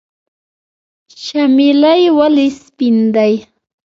چمیلی ولې سپین دی؟